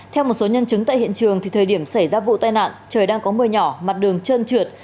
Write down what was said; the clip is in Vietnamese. theo một số nhân chứng tại hiện trường thời điểm xảy ra vụ tai nạn trời đang có mưa nhỏ mặt đường trơn trượt